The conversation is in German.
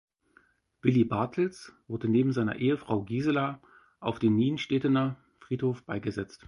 Willi Bartels wurde neben seiner Ehefrau Gisela auf dem Nienstedtener Friedhof beigesetzt.